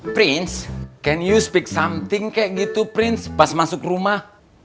prince apa kamu bisa ngomong sesuatu kayak gitu prince pas masuk rumah